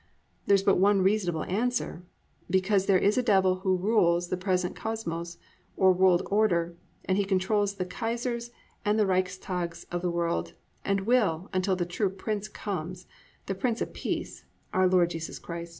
There is but one reasonable answer: because there is a Devil who rules the present Kosmos, or world order, and he controls the Kaisers and the Reichstags of the world and will until the true Prince comes, the Prince of Peace, our Lord Jesus Christ.